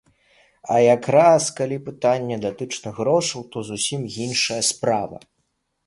А як раз калі пытанне датычыцца грошаў, то тут зусім іншая справа.